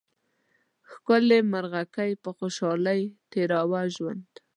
ښکلې مرغکۍ په خوشحالۍ تېراوه ژوند